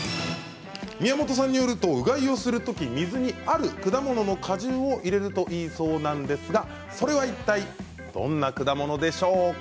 宮本さんによるとうがいをするとき水にある果物の果汁を入れるといいそうなんですがそれはいったいどんな果物でしょうか。